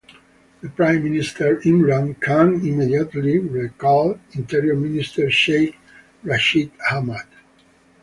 The Prime Minister Imran Khan immediately recalled Interior Minister Sheikh Rashid Ahmad.